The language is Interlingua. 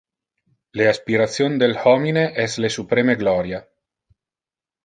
Le aspiration del homine es le supreme gloria.